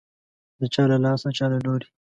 د چا له لاسه، د چا له لوري